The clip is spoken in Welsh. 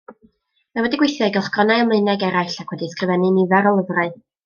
Mae wedi gweithio i gylchgronau Almaeneg eraill ac wedi ysgrifennu nifer o lyfrau.